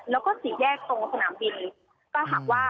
แล้วก็ฝีแยกตรงสนามบิน